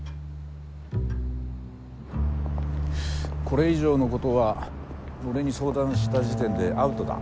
これ以上のことは俺に相談した時点でアウトだ。